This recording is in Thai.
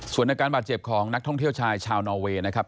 ส่วนอาการบาดเจ็บของนักท่องเที่ยวชายชาวนอเวย์นะครับ